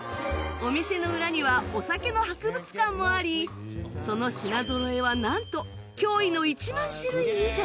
お店の裏にはお酒の博物館もありその品ぞろえはなんと驚異の１万種類以上